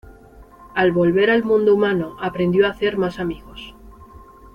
Al volver al Mundo Humano aprendió a hacer más amigos.